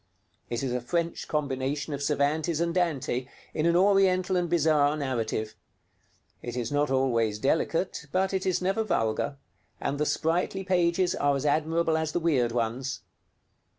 It is a French combination of Cervantes and Dante, in an Oriental and bizarre narrative. It is not always delicate, but it is never vulgar, and the sprightly pages are as admirable as the weird ones.